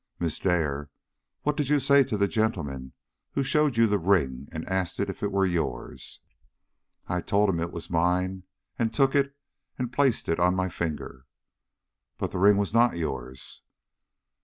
"Miss Dare, what did you say to the gentleman who showed you the ring and asked if it were yours?" "I told him it was mine, and took it and placed it on my finger." "But the ring was not yours?"